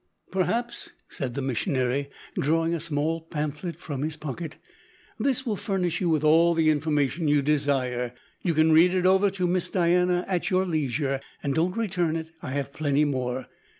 "Perhaps," said the missionary, drawing a small pamphlet from his pocket, "this will furnish you with all the information you desire. You can read it over to Miss Diana at your leisure and don't return it; I have plenty more.